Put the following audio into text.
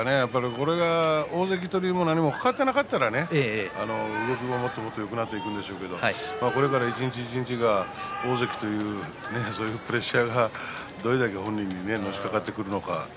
これが大関取りも何もかかっていなかったら動きもよくなっていくでしょうけどこれから一日一日が大関というプレッシャーがどういうふうに本人にのしかかってくるのか